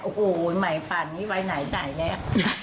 โอ้โหไหมฝันนี้ไว้ไหนใส่แล้ว